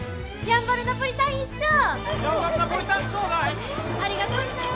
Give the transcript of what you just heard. やんばるナポリタンください。